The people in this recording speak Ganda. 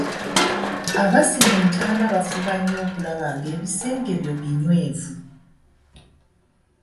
Abasima entaana bafuba nnyo okulaba nga ebisenge byayo binywevu.